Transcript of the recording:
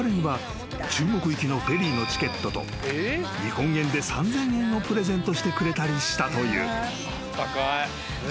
中国行きのフェリーのチケットと日本円で３，０００円をプレゼントしてくれたりしたという］